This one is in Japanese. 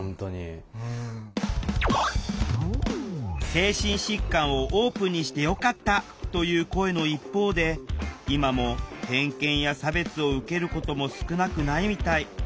精神疾患をオープンにしてよかったという声の一方で今も偏見や差別を受けることも少なくないみたい。